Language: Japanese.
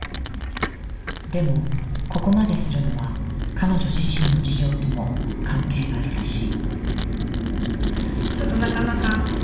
でもここまでするのは彼女自身の事情とも関係があるらしい。